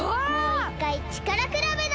もういっかいちからくらべだ！